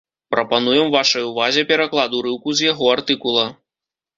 Прапануем вашай увазе пераклад урыўку з яго артыкула.